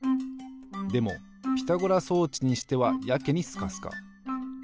でもピタゴラ装置にしてはやけにスカスカ。